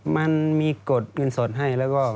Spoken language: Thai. มันมีกดเงินสดให้แล้วก็